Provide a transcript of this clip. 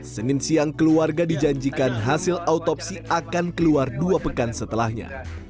senin siang keluarga dijanjikan hasil autopsi akan keluar dua pekan setelahnya